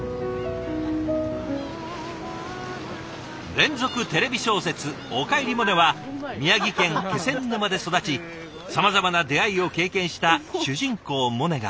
連続テレビ小説「おかえりモネ」は宮城県気仙沼で育ちさまざまな出会いを経験した主人公モネが。